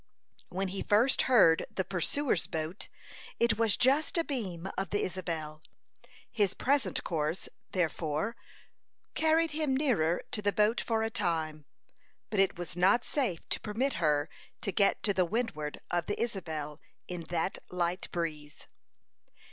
When he first heard the pursuer's boat, it was just abeam of the Isabel. His present course, therefore, carried him nearer to the boat for a time, but it was not safe to permit her to get to the windward of the Isabel, in that light breeze.